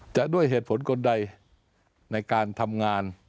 ด้วยเหตุผลคนใดในการทำงาน